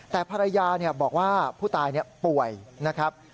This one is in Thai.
แต่ภรรยาบอกว่าผู้ตายป่วยนะครับ